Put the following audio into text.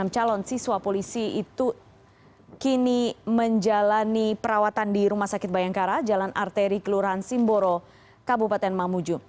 enam calon siswa polisi itu kini menjalani perawatan di rumah sakit bayangkara jalan arteri kelurahan simboro kabupaten mamuju